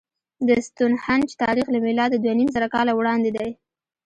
د ستونهنج تاریخ له میلاده دوهنیمزره کاله وړاندې دی.